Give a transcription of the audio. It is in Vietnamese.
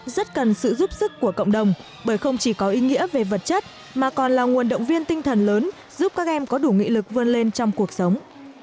rất cần sự giúp sức của cộng đồng bởi không chỉ có ý nghĩa về vật chất mà còn là nguồn động viên tinh thần lớn giúp các em có đủ nghị lực vươn lên trong cuộc sống